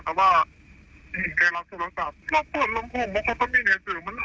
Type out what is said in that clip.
แต่ว่าหินใครรับโทรศัพท์แล้วเปิดลำคงเพราะเขาก็มีในเสือมันถึงเนอะฮะ